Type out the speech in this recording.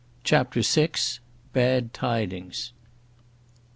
CHAPTER VI. BAD TIDINGS.